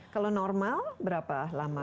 kalau normal berapa lama